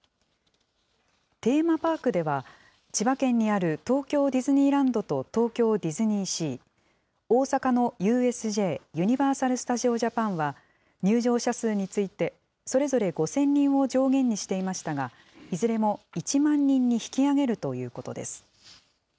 テーマパークでは、千葉県にある東京ディズニーランドと東京ディズニーシー、大阪のＵＳＪ・ユニバーサル・スタジオ・ジャパンは、入場者数について、それぞれ５０００人を上限にしていましたが、いずれも１万人に引き上げるということです。